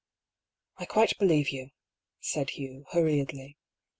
I quite believe you," said Hugh, hurriedly.